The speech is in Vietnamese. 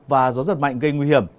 và gió giật mạnh gây nguy hiểm